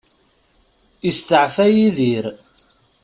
Isteɛfa Yidir.